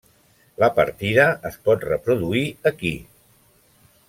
La partida es pot reproduir aquí.